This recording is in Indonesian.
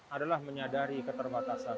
adalah menyadari keterbatasan